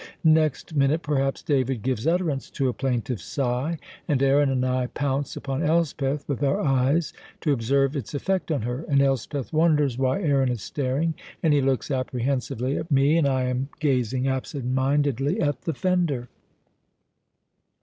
Next minute, perhaps, David gives utterance to a plaintive sigh, and Aaron and I pounce upon Elspeth (with our eyes) to observe its effect on her, and Elspeth wonders why Aaron is staring, and he looks apprehensively at me, and I am gazing absent mindedly at the fender.